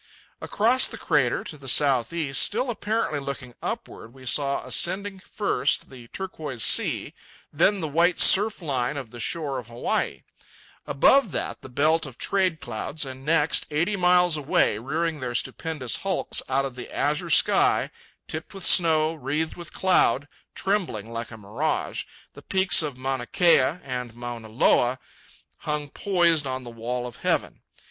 Across the crater, to the south east, still apparently looking upward, we saw ascending, first, the turquoise sea, then the white surf line of the shore of Hawaii; above that the belt of trade clouds, and next, eighty miles away, rearing their stupendous hulks out of the azure sky, tipped with snow, wreathed with cloud, trembling like a mirage, the peaks of Mauna Kea and Mauna Loa hung poised on the wall of heaven.